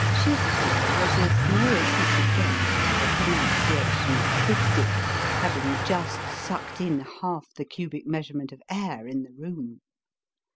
'^ Shifty" was as near as he could get to the pronunciation of fifty, having just sucked in half the cubic measurement of air in the room.